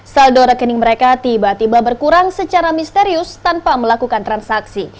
saldo rekening mereka tiba tiba berkurang secara misterius tanpa melakukan transaksi